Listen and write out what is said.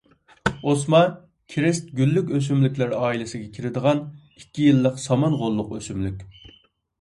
ئوسما -- كىرېست گۈللۈك ئۆسۈملۈكلەر ئائىلىسىگە كىرىدىغان، ئىككى يىللىق سامان غوللۇق ئۆسۈملۈك.